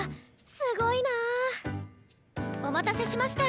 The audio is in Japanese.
すごいなあ。お待たせしました。